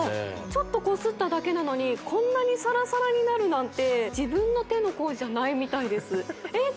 ちょっとこすっただけなのにこんなにサラサラになるなんて自分の手の甲じゃないみたいですえっ